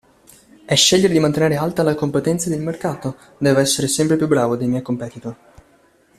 È scegliere di mantenere alta la competenza ed il mercato, devo essere sempre più bravo dei miei competitor.